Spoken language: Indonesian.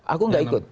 aku tidak ikut